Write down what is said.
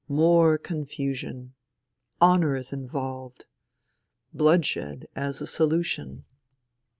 More confusion. Honour is involved. Bloodshed as a solution.